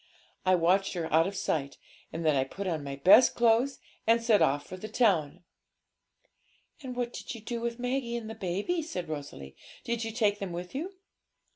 I watched her out of sight, and then I put on my best clothes and set off for the town.' 'And what did you do with Maggie and baby?' said Rosalie; 'did you take them with you?'